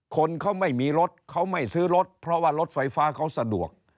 คนเขาไม่มีรถเขาไม่ซื้อรถเพราะว่ารถไฟฟ้าเขาสะดวก